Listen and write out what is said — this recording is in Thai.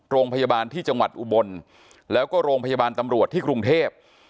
โรงพยาบาลที่จังหวัดอุบลแล้วก็โรงพยาบาลตำรวจที่กรุงเทพ